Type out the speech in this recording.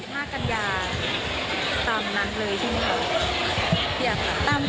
มี๒๕กัญญาสามนั้นเลยใช่ไหมคะ